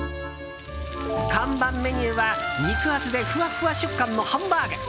看板メニューは肉厚でふわふわ食感のハンバーグ。